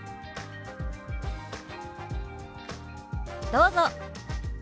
どうぞ。